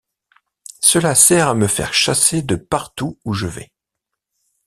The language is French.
Cela sert à me faire chasser de partout où je vais.